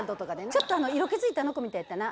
ちょっと色気づいたあの子みたいやったな。